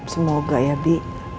semoga ya bi